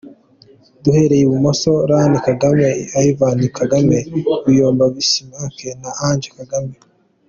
Duhereye ibumoso, Ian Kagame, Ivan Kagame, Biyombo Bismack na Ange Kagame.